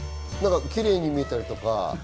キレイに見えたりとか？